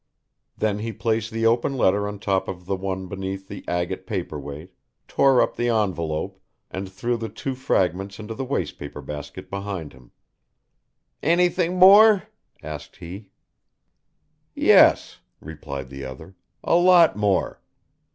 Then he placed the open letter on top of the one beneath the agate paper weight, tore up the envelope, and threw the two fragments into the waste paper basket behind him. "Anything more?" asked he. "Yes," replied the other, "a lot more.